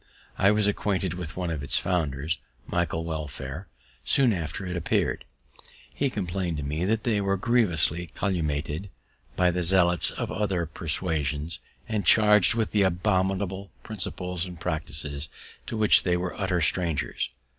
I was acquainted with one of its founders, Michael Welfare, soon after it appear'd. He complain'd to me that they were grievously calumniated by the zealots of other persuasions, and charg'd with abominable principles and practices to which they were utter strangers.